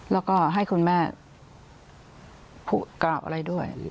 แล้วก็ให้คุณแม่พูดกล่าวอะไรด้วย